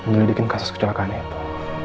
menyelidiki kasus kecelakaan itu